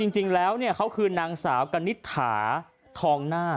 จริงแล้วเขาคือนางสาวกนิษฐาทองหน้า